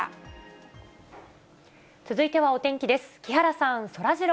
続いてはお天気です。